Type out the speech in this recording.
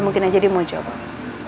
mungkin aja dia mau jawab